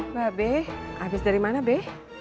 mbak be habis dari mana be